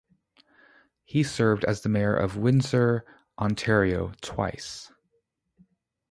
He served as the mayor of Windsor, Ontario twice.